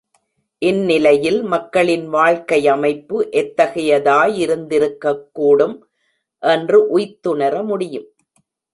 இந்நிலையில் மக்களின் வாழ்க்கையமைப்பு எத்தகையதாயிருந்திருக்கக்கூடும் என்று உய்த்துணர முடியும்.